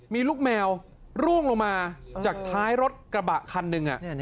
มีลูกแมวร่วงลงมาจากท้ายรถกระบะคันหนึ่ง